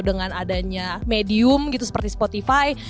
dengan adanya medium gitu seperti spotify